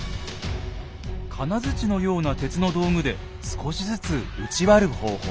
金づちのような鉄の道具で少しずつ打ち割る方法。